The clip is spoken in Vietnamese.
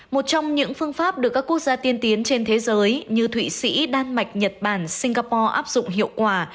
một trong những phương pháp được các quốc gia tiên tiến trên thế giới như thụy sĩ đan mạch nhật bản singapore áp dụng hiệu quả